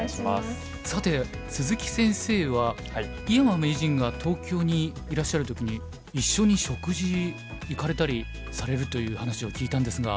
さて鈴木先生は井山名人が東京にいらっしゃる時に一緒に食事行かれたりされるという話を聞いたんですが。